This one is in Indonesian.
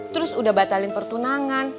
terus udah batalin pertunangan